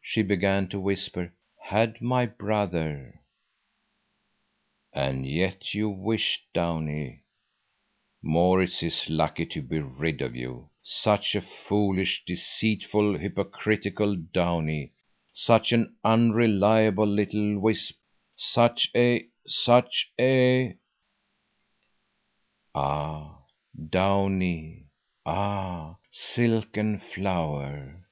She began to whisper: "Had my brother—" "And yet you wished, Downie—Maurits is lucky to be rid of you. Such a foolish, deceitful, hypocritical Downie, such an unreliable little wisp, such a, such a—" Ah, Downie, ah, silken flower!